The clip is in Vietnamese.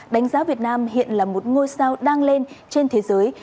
đánh giá việt nam hiện là một ngôi sao đang lên trên thế giới